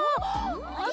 あれ？